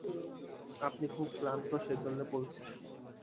আপনি খুব ক্লান্ত, সেই জন্যে বলছি।